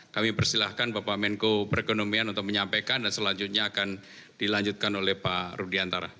kami persilahkan bapak menko perekonomian untuk menyampaikan dan selanjutnya akan dilanjutkan oleh pak rudiantara